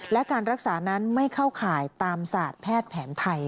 และการรักษานั้นไม่เข้าข่ายตามศาสตร์แพทย์แผนไทย